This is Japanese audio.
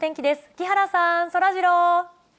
木原さん、そらジロー。